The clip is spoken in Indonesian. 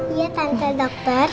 iya tante dokter